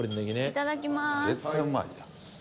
いただきます。